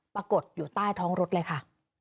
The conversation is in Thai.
ปรากฏอยู่ใต้ท้องรถเลยค่ะ